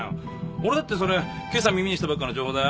俺だってそれけさ耳にしたばっかの情報だよ。